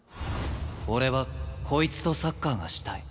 俺はこいつとサッカーがしたい。